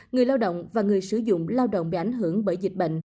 người lao động và người sử dụng lao động bị ảnh hưởng bởi dịch bệnh